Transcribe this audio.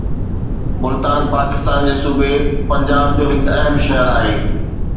ملتان پاڪستان جي صوبي پنجاب جو هڪ اهم شهر آهي